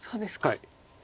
はい。